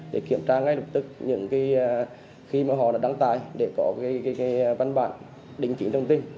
để kiểm tra ngay lập tức khi mà họ đã đăng tài để có cái văn bản đính chính thông tin